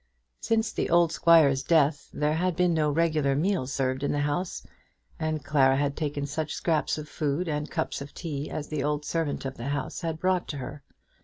Since the old squire's death there had been no regular meal served in the house, and Clara had taken such scraps of food and cups of tea as the old servant of the house had brought to her.